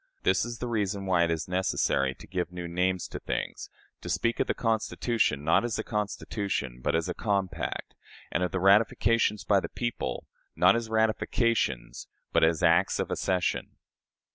This is the reason why it is necessary to give new names to things; to speak of the Constitution, not as a constitution, but as a compact; and of the ratifications by the people, not as ratifications, but as acts of accession."